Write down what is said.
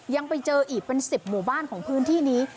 ยังไปเจออีกเป็น๑๐หมู่บ้านของพื้นที่นี้